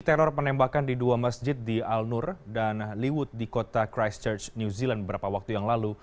teror penembakan di dua masjid di al nur dan liwud di kota christchurch new zealand beberapa waktu yang lalu